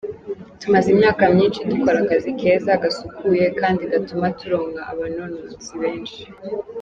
"Tumaze imyaka myinshi dukora akazi keza, gasukuye kandi gatuma turonka abanonotsi benshi.